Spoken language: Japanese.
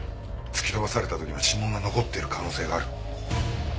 突き飛ばされた時の指紋が残っている可能性がある。